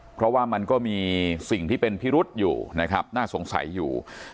เพราะว่ามันก็มีสิ่งที่เป็นพิรุษอยู่นะครับน่าสงสัยอยู่